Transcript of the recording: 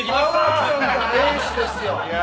エースですよいや。